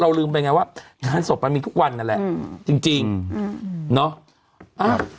ลืมไปไงว่างานศพมันมีทุกวันนั่นแหละจริงจริงอืมเนาะ